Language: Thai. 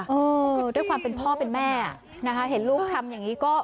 เออด้วยความเป็นพ่อเป็นแม่อ่ะนะคะเห็นลูกทำอย่างนี้ก็